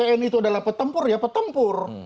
tni itu adalah petempur ya petempur